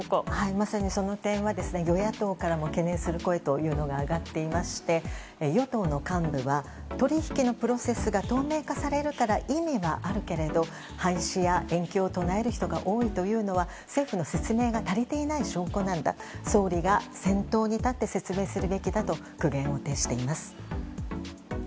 まさにその点は与野党からも懸念する声が上がっていまして、与党の幹部は取引のプロセスが透明化されるから意味はあるけど廃止や延期を唱える人が多いというのは政府の説明が足りていない証拠なんだ総理が先頭に立って説明すべきだと苦言を呈しています。